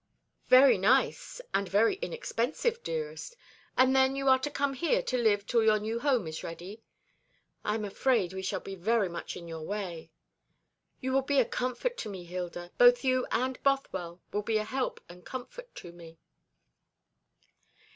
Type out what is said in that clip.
"Very nice, and very inexpensive, dearest. And then you are to come here to live till your new home is ready?" "I am afraid we shall be very much in your way." "You will be a comfort to me, Hilda; both you and Bothwell will be a help and comfort to me."